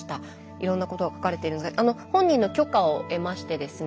いろんなことが書かれてるんですが本人の許可を得ましてですね